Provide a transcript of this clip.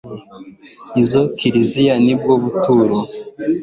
izo kiriziya nibyo bituro